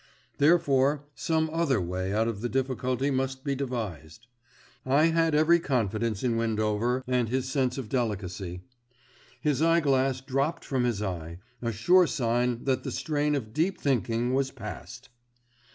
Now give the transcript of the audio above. Therefore some other way out of the difficulty must be devised. I, had every confidence in Windover and his sense of delicacy. His eyeglass dropped from his eye, a sure sign that the strain of deep thinking was past.